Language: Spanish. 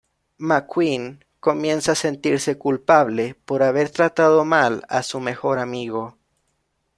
McQueen comienza a sentirse culpable por haber tratado mal a su mejor amigo.